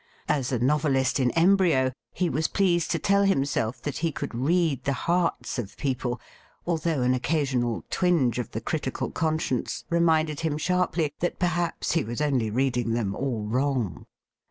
As a novelist in embryo, he was pleased to tell himself that he could read the hearts of people, although an occasional twinge of the critical conscience reminded him sharply that per haps he was only reading them all wrong.